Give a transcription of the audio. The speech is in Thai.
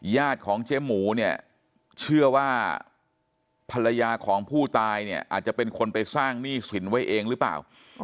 ญาติของเจ๊หมูเนี่ยเชื่อว่าภรรยาของผู้ตายเนี่ยอาจจะเป็นคนไปสร้างหนี้สินไว้เองหรือเปล่า